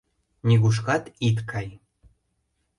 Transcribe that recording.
Нигушкат ит кай.